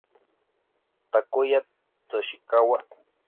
Takuya Yoshikawa